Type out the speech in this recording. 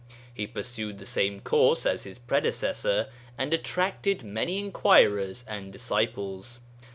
He pursued the same course as his predecessor, and attracted many inquirers and disciples.